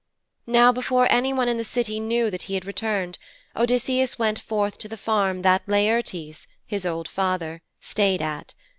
Now before anyone in the City knew that he had returned, Odysseus went forth to the farm that Laertes, his old father, stayed at.